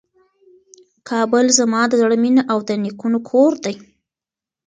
کابل زما د زړه مېنه او د نیکونو کور دی.